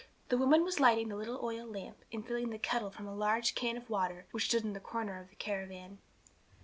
The woman was lighting the little oil lamp, and filling the kettle from a large can of water, which stood in the corner of the caravan.